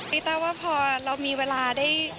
ีต้าว่าพอเรามีเวลาได้